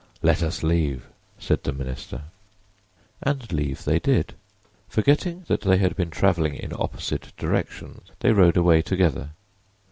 "Let us leave," said the minister. And leave they did. Forgetting that they had been traveling in opposite directions, they rode away together.